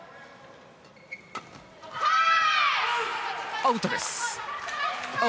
アウトです。